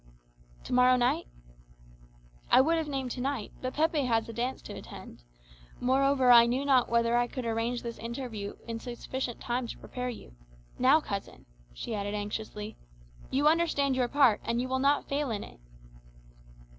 "To morrow night?" "I would have named to night, but Pepe has a dance to attend. Moreover, I knew not whether I could arrange this interview in sufficient time to prepare you. Now, cousin," she added anxiously, "you understand your part, and you will not fail in it."